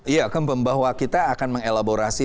iya compem bahwa kita akan mengelaborasi